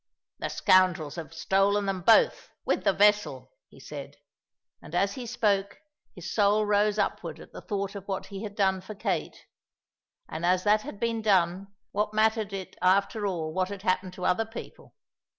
"The scoundrels have stolen them both, with the vessel," he said; and as he spoke his soul rose upward at the thought of what he had done for Kate; and as that had been done, what mattered it after all what had happened to other people?